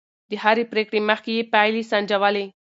د هرې پرېکړې مخکې يې پايلې سنجولې.